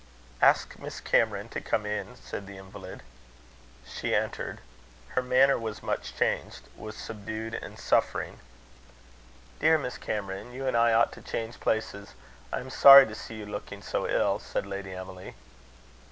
"Ask Miss Cameron to come in," said the invalid. She entered. Her manner was much changed was subdued and suffering. "Dear Miss Cameron, you and I ought to change places. I am sorry to see you looking so ill," said Lady Emily.